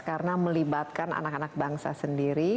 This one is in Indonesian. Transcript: karena melibatkan anak anak bangsa sendiri